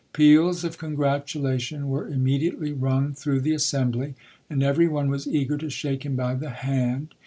Peals of congratulation were immediately rung through the assembly, and every one was eager to shake him by the hand.